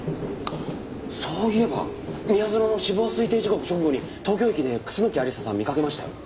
そういえば宮園の死亡推定時刻直後に東京駅で楠木亜理紗さん見かけましたよ。